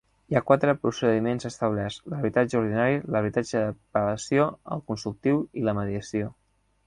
Hi ha quatre procediments establerts: l'arbitratge ordinari, l'arbitratge d'apel·lació, el consultiu i la mediació.